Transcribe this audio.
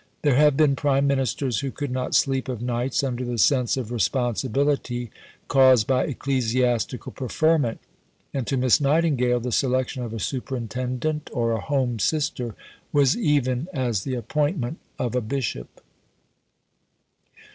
There have been Prime Ministers who could not sleep of nights under the sense of responsibility caused by ecclesiastical preferment; and to Miss Nightingale the selection of a Superintendent or a Home Sister was even as the appointment of a bishop.